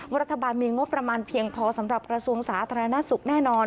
รัฐบาลมีงบประมาณเพียงพอสำหรับกระทรวงสาธารณสุขแน่นอน